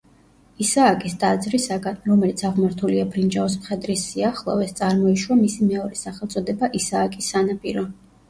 ისააკის ტაძრისაგან, რომელიც აღმართულია ბრინჯაოს მხედრის სიახლოვეს, წარმოიშვა მისი მეორე სახელწოდება „ისააკის სანაპირო“.